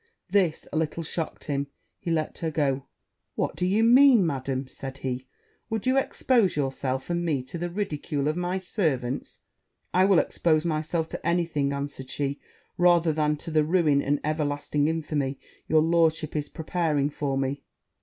This a little shocked him; he let her go: 'What do you mean, Madam?' said he. 'Would you expose yourself and me to the ridicule of my servants?' 'I will expose myself to any thing,' answered she, 'rather than to the ruin and everlasting infamy your lordship is preparing for me!'